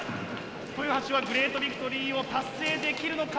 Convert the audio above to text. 豊橋はグレートビクトリーを達成できるのか？